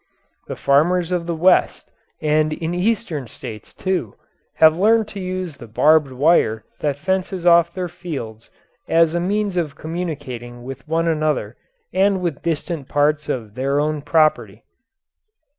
The farmers of the West and in eastern States, too, have learned to use the barbed wire that fences off their fields as a means of communicating with one another and with distant parts of their own property.